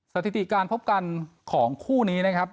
สถิติการพบกันของคู่นี้